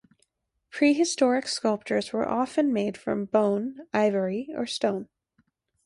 Prehistoric sculptures were often made from bone, ivory, or stone.